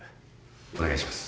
お願いします。